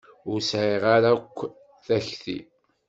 Ur sɛiɣ ara akk takti.